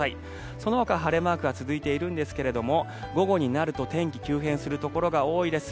そのほか晴れマークが続いているんですが午後になると天気が急変するところが多いです。